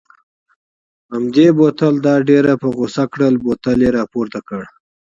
همدې بوتل دا ډېره په غوسه کړل، بوتل یې را پورته کړ.